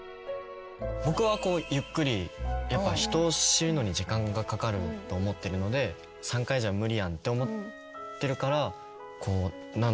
僕はこうゆっくりやっぱ人を知るのに時間がかかると思ってるので３回じゃ無理やんって思ってるから。